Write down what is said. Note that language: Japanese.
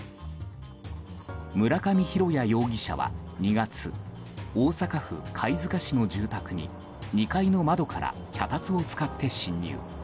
村上拡也容疑者は２月大阪府貝塚市の住宅に２階の窓から脚立を使って侵入。